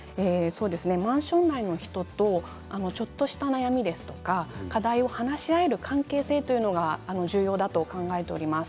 マンション内の人とちょっとした悩みや課題を話し合える関係性というのが重要だと考えています。